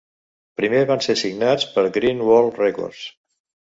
Primer van ser signats per Green World Records.